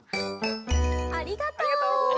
ありがとう。